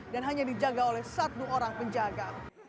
hanya dijaga oleh satu orang penjaga